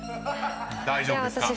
大丈夫ですか？］